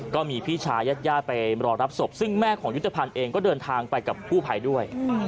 ก็มีพี่ชายาดญาติไปรอรับศพซึ่งแม่ของยุทธภัณฑ์เองก็เดินทางไปกับกู้ภัยด้วย